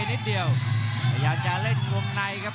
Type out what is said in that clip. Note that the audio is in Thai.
ทางวงนายนี้ต้องบ่วนว่า